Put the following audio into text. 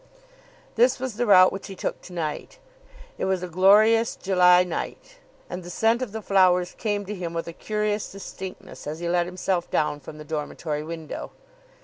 This was the route which he took to night. It was a glorious July night, and the scent of the flowers came to him with a curious distinctness as he let himself down from the dormitory window.